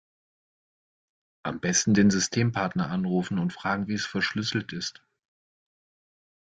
Am Besten den Systempartner anrufen und fragen wie es verschlüsselt ist.